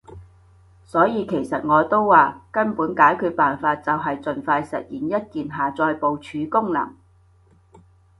所以其實我都話，根本解決辦法就係儘快實現一鍵下載部署功能